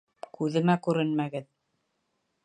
Күҙемә күренмәгеҙ!